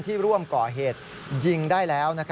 ร่วมก่อเหตุยิงได้แล้ว